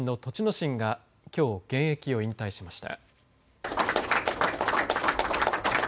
心がきょう現役を引退しました。